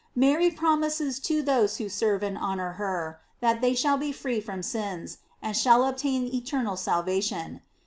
Mary promises to those who serve and honor her, that they shall be free from sins, and shall obtain eternal salvation.